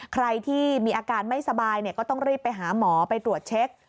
ใครที่มีอาการไม่สบายก็ต้องรีบไปหาหมอไปตรวจเช็ค